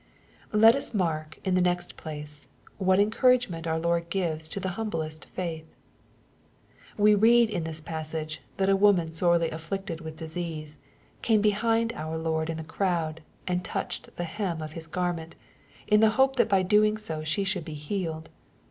Let us mark, in the next place, what encouragement our Lord gives to the humblest faith. We read in this passage, that a woman sorely afflicted with disease, came behind our Lord in the crowd, and " touched the hem'* of His garment, in the hope that by so doing she should be healed.